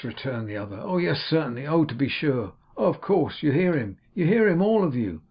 returned the other; 'oh yes, certainly! Oh to be sure! Oh, of course! You hear him? You hear him? all of you!